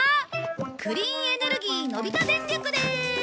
クリーンエネルギーのび太電力です。